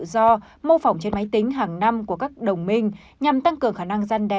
lá trắng tự do mô phỏng trên máy tính hàng năm của các đồng minh nhằm tăng cường khả năng gian đe